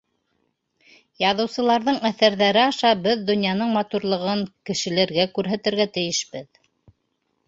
— Яҙыусыларҙың әҫәрҙәре аша беҙ донъяның матурлығын кешеләргә күрһәтергә тейешбеҙ.